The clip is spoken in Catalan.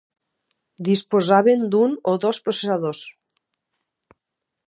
Disposaven d'un o dos processadors.